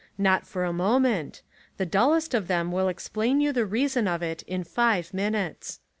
Not for a moment; the dullest of them will explain you the reason of it in five minutes.